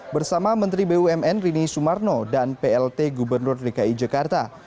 bersama menteri bumn rini sumarno dan plt gubernur dki jakarta